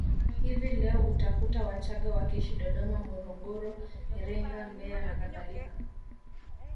Hivi leo utakuta Wachagga wakiishi Dodoma Morogoro Iringa Mbeya na kadhalika